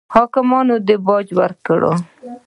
حاکمانو باج ورکړي.